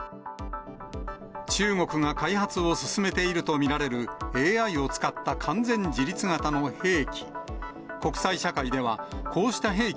中国が開発を進めていると見られるＡＩを使った完全自律型の兵器。